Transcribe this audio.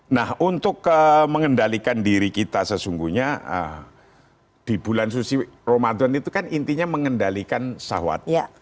nah untuk mengendalikan diri kita sesungguhnya di bulan suci ramadan itu kan intinya mengendalikan sawat